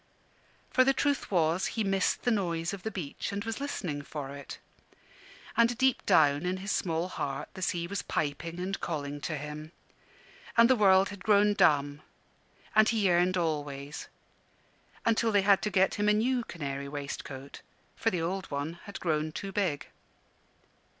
For the truth was, he missed the noise of the beach, and was listening for it. And deep down in his small heart the sea was piping and calling to him. And the world had grown dumb; and he yearned always: until they had to get him a new canary waistcoat, for the old one had grown too big.